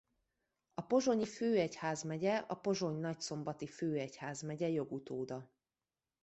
A pozsonyi főegyházmegye a Pozsony-Nagyszombati főegyházmegye jogutóda.